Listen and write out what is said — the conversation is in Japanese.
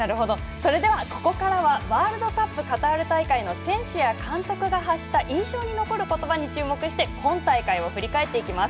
それでは、ここからはワールドカップカタール大会の選手や監督が発した印象に残る言葉に注目して本大会を振り返っていきます。